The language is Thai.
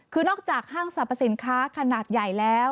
คือนอกจากห้างสรรพสินค้าขนาดใหญ่แล้ว